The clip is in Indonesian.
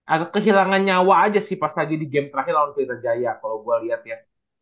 agak kehilangan nyawa aja sih pas lagi di game terakhir lawan pelita jaya kalau gue lihat ya